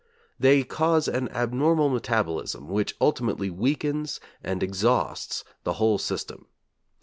They cause an abnormal metabolism which ultimately weakens and exhausts the whole system.